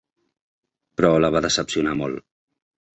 Però la va decepcionar molt.